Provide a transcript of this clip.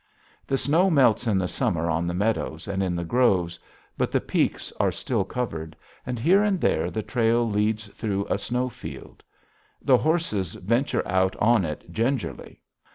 The snow melts in the summer on the meadows and in the groves. But the peaks are still covered, and here and there the trail leads through a snow field. The horses venture out on it gingerly.